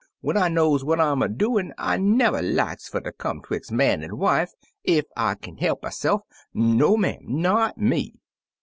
When I knows what I'm a doin', I never likes fer ter come 'twix' man. an' wife, ef I kin he'p myse'f — no, ma'am, not me!